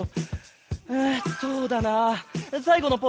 んそうだなさいごのポーズは。